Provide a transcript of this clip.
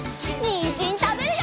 にんじんたべるよ！